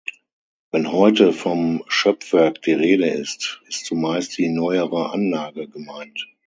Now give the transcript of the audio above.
Wenn heute vom Schöpfwerk die Rede ist, ist zumeist die neuere Anlage gemeint.